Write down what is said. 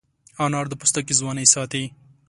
انار د پوستکي ځوانۍ ساتي.